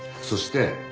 そして。